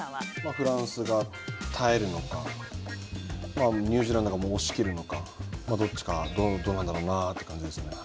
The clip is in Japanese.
フランスが耐えるのかニュージーランドが押し切るのかどっちか、どうなんだろうなという感じですね。